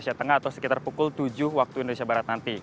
indonesia tengah atau sekitar pukul tujuh waktu indonesia barat nanti